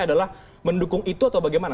adalah mendukung itu atau bagaimana